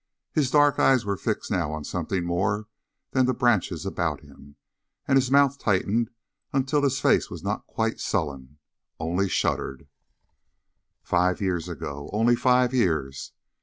His dark eyes were fixed now on something more than the branches about him, and his mouth tightened until his face was not quite sullen, only shuttered. Five years ago only five years?